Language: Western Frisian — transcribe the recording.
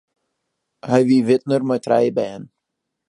Hy wie widner mei trije bern.